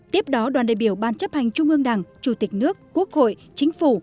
tiếp đó đoàn đại biểu ban chấp hành trung ương đảng chủ tịch nước quốc hội chính phủ